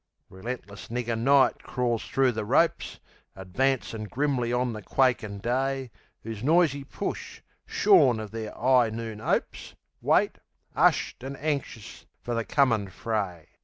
Relentless nigger Night crawls thro' the ropes, Advancin' grimly on the quakin' Day, Whose noisy push, shorn of their 'igh noon 'opes, Wait, 'ushed an' anxious, fer the comin' fray.